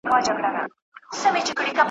وطن به هلته سور او زرغون سي `